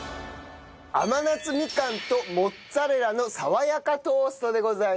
甘夏みかんとモッツァレラの爽やかトーストでございます。